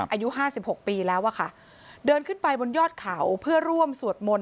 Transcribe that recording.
อายุห้าสิบหกปีแล้วอะค่ะเดินขึ้นไปบนยอดเขาเพื่อร่วมสวดมนต